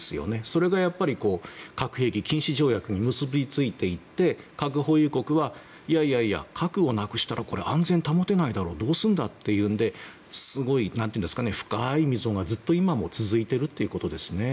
それがやっぱり核兵器禁止条約に結びついていって、核保有国はいやいや、核をなくしたら安全を保てないだろうどうするんだというんですごく深い溝がずっと今も続いているということですね。